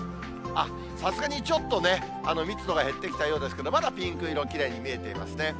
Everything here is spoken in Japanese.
さすがにちょっと、密度が減ってきたようですけれども、まだピンク色、きれいに見えていますね。